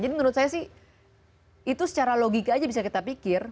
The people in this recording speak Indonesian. jadi menurut saya sih itu secara logika aja bisa kita pikir